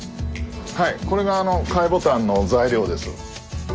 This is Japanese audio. はいこれが貝ボタンの材料です。